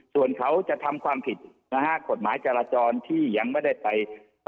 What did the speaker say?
ส่วนเขาจะทำความผิดนะฮะกฎหมายจราจรที่ยังไม่ได้ไป